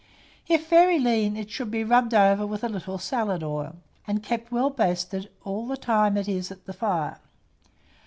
If very lean, it should be rubbed over with a little salad oil, and kept well basted all the time it is at the fire.